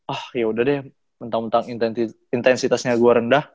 ah yaudah deh entang entang intensitasnya gue rendah